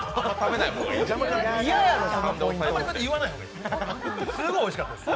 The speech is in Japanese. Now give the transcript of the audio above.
すごいおいしかったです。